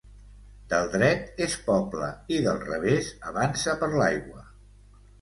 Del dret és poble i del revés avança per l'aigua.